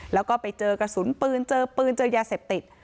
แล้วก็ไปเจอกระสุนปืนเจอปืนเจอยาเสพติด